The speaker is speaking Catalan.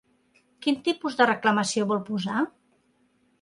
Quin tipus de reclamació vol posar?